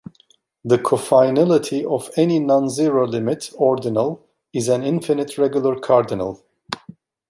The cofinality of any nonzero limit ordinal is an infinite regular cardinal.